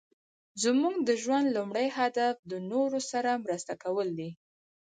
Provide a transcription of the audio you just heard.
زموږ د ژوند لومړی هدف د نورو سره مرسته کول دي.